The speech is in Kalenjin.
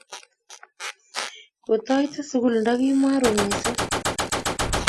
Kotaite sukul ndakimaru missing'